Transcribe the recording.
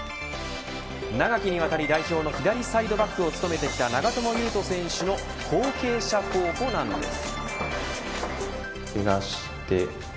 長きにわたり代表の左サイドバックを務めてきた長友佑都選手の後継者候補なんです。